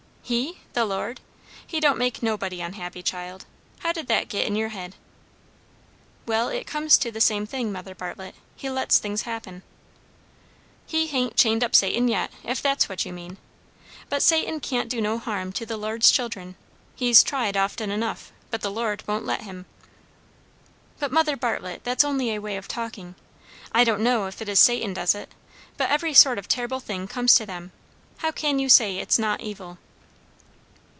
"He? the Lord? He don't make nobody unhappy, child. How did that git in your head?" "Well, it comes to the same thing, Mother Bartlett. He lets things happen." "He hain't chained up Satan yet, if that's what you mean. But Satan can't do no harm to the Lord's children. He's tried, often enough, but the Lord won't let him." "But, Mother Bartlett, that's only a way of talking. I don't know if it is Satan does it, but every sort of terrible thing comes to them. How can you say it's not evil?"